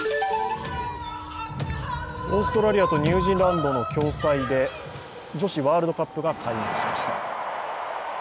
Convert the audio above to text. オーストラリアとニュージーランドの共催で女子ワールドカップが開幕しました。